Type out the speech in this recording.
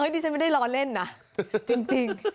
ดิฉันไม่ได้รอเล่นนะจริง